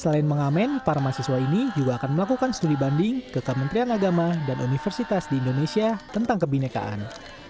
selain mengamen para mahasiswa ini juga akan melakukan studi banding ke kementerian agama dan universitas di indonesia tentang kebinekaan